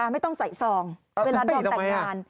ไม่ต้องใส่ซองเวลาเดินแต่งงาน